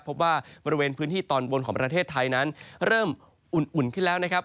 พบว่าบริเวณพื้นที่ตอนบนของประเทศไทยนั้นเริ่มอุ่นขึ้นแล้วนะครับ